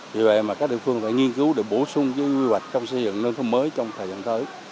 vì vậy mà các địa phương phải nghiên cứu để bổ sung quy hoạch trong xây dựng nông thôn mới trong thời gian tới